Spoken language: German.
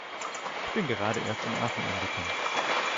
Ich bin gerade erst in Aachen angekommen